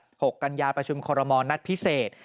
ถวายสัตว์๖กัญญาประชุมคอรมณ์นัดพิเศษ